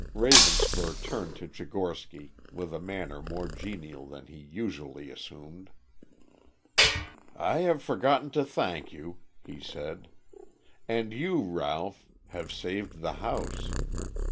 Ravenspur turned to Tchigorsky with a manner more genial than he usually assumed. "I have forgotten to thank you," he said. "And you, Ralph, have saved the house.